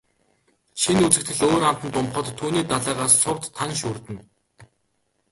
Шинэ үзэгдэл өөр амтанд умбахад түүний далайгаас сувд, тана шүүрдэнэ.